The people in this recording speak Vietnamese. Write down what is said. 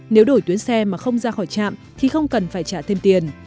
nếu đổi tuyến xe mà không ra khỏi trạm thì không cần phải trả thêm tiền